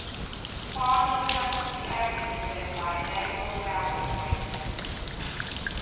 The far north west of the area is served by Maryhill railway station.